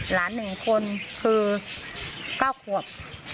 หลาน๑คนคือ๙ควบ